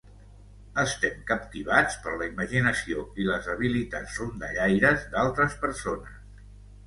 Estem captivats per la imaginació i les habilitats rondallaires d'altres persones.